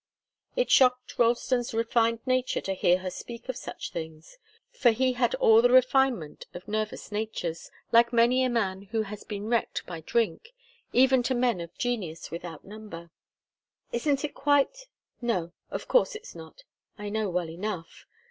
It shocked Ralston's refined nature to hear her speak of such things. For he had all the refinement of nervous natures, like many a man who has been wrecked by drink even to men of genius without number. "Isn't it quite no, of course it's not. I know well enough."